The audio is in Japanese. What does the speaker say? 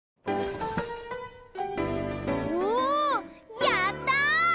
おやった！